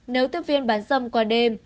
nếu tiếp viên bán dâm qua đêm